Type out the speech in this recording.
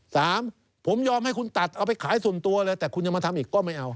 สามผมยอมให้คุณตัดเอาไปขายส่วนตัวเลยแต่คุณยังมาทำอีกก็ไม่เอา